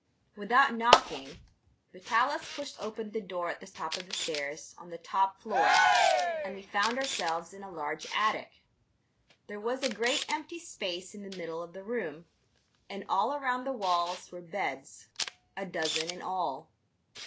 Without knocking, Vitalis pushed open the door at the top of the stairs, on the top floor, and we found ourselves in a large attic. There was a great empty space in the middle of the room, and all around the walls were beds, a dozen in all.